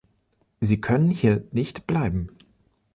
Sie können hier nicht bleiben.